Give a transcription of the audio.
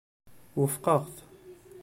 Wufqeɣ-t.